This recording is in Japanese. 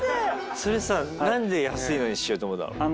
それさなんで安いのにしようと思ったの？